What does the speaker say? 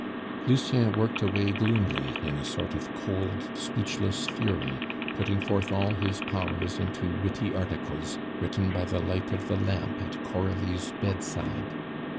Lucien worked away gloomily in a sort of cold, speechless fury, putting forth all his powers into witty articles, written by the light of the lamp at Coralie's bedside.